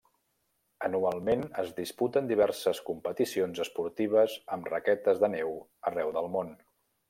Anualment es disputen diverses competicions esportives amb raquetes de neu arreu del món.